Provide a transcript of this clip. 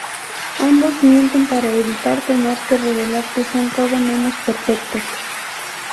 Ambos mienten para evitar tener que revelar que son todo menos perfectos.